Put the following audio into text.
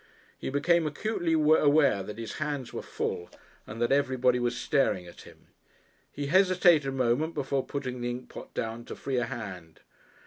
He became acutely aware that his hands were full, and that everybody was staring at him. He hesitated a moment before putting the inkpot down to free a hand.